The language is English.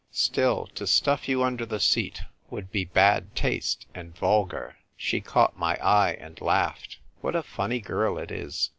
Still, to stuff you under the seat would be bad taste and vulgar." She caught my eye, and laughed. " What a funny girl it is